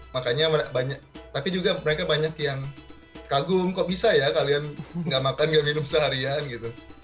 makanya banyak tapi juga mereka banyak yang kagum kok bisa ya kalian nggak makan nggak minum seharian gitu